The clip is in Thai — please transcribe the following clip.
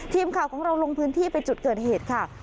ทีมข่าวของเราลงพื้นที่ไปจุดเกิดเหตุค่ะ